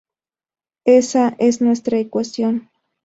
Ésa es nuestra ecuación.